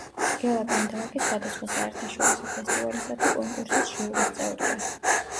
გელა კანდელაკი სხვადასხვა საერთაშორისო ფესტივალისა თუ კონკურსის ჟიურის წევრია.